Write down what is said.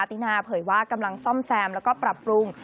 ตินาเผยว่ากำลังซ่อมแซมแล้วก็ปรับปรุง